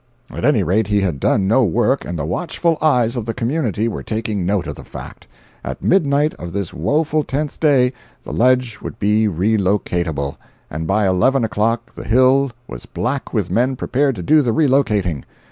At any rate he had done no work and the watchful eyes of the community were taking note of the fact. At midnight of this woful tenth day, the ledge would be "relocatable," and by eleven o'clock the hill was black with men prepared to do the relocating.